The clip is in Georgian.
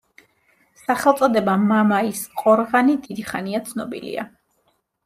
სახელწოდება მამაის ყორღანი დიდი ხანია ცნობილია.